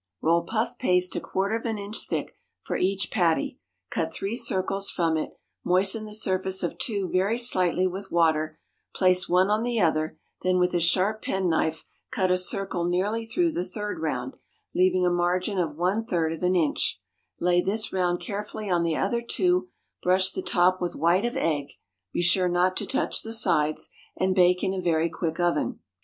Roll puff paste a quarter of an inch thick for each patty, cut three circles from it, moisten the surface of two very slightly with water, place one on the other, then with a sharp penknife cut a circle nearly through the third round, leaving a margin of one third of an inch; lay this round carefully on the other two; brush the top with white of egg (be sure not to touch the sides), and bake in a very quick oven.